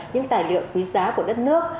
những tài liệu quý giá của đất nước